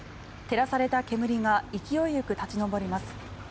照らされた煙が勢いよく立ち上ります。